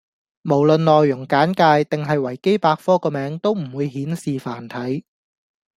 無論內容簡介定係維基百科個名都唔會顯示繁體